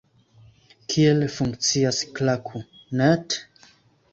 Kiel funkcias Klaku.net?